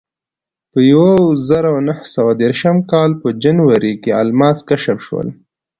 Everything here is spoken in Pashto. په یوه زرو نهه سوه دېرشم کال په جنورۍ کې الماس کشف شول.